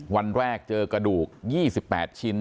วันแรกเจอกระดูก๒๘ชิ้น